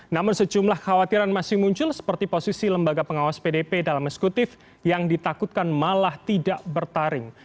namun sejumlah khawatiran masih muncul seperti posisi lembaga pengawas pdp dalam eksekutif yang ditakutkan malah tidak bertaring